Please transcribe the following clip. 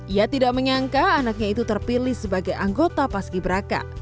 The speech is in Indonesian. ia tidak menyangka anaknya itu terpilih sebagai anggota paski beraka